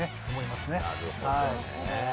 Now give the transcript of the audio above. まなるほどね。